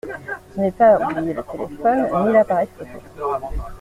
Je n’ai pas oublié le téléphone, ni l’appareil photo.